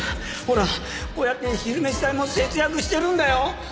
ほらこうやって昼飯代も節約しているんだよ。